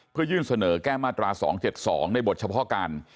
เพื่อยื่นเสนอแก้มาตรา๒๗๒ในบทเฉพาะการ